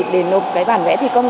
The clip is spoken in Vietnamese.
để nộp bản vẽ thị công